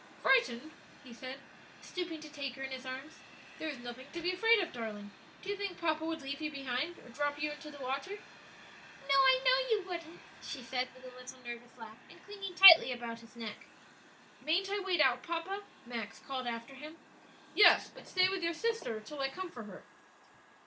"Frightened?" he said, stooping to take her in his arms; "there is nothing to be afraid of, darling. Do you think papa would leave you behind or drop you into the water?" "No; I know you wouldn't," she said, with a little nervous laugh, and clinging tightly about his neck. "Mayn't I wade out, papa?" Max called after him. "Yes; but stay with your sister till I come for her."